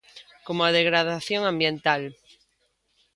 Como a degradación ambiental.